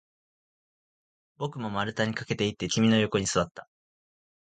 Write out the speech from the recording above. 僕も丸太に駆けていって、君の横に座った